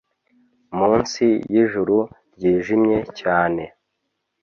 Munsi y'ijuru ryijimye cyane